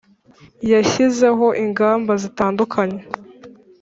yashyizeho ingamba zitandukanye